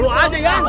tolong aja ya